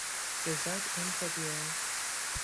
Gazette in February.